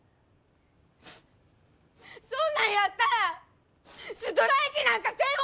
そんなんやったらストライキなんかせん方がよかったわ！